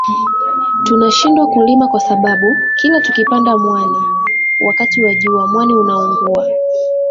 Tunashindwa kulima kwa sababu kila tukipanda mwani wakati wa jua mwani unaungua